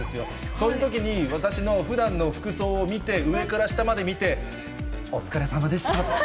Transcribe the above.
そういうときに、私のふだんの服装を見て、上から下まで見て、お疲れさまでしたって。